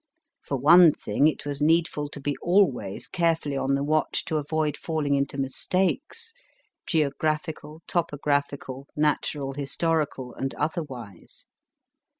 For one thing, it was needful to be always carefully on the watch to avoid falling into mistakes geographical, topographical, natural historical, and otherwise.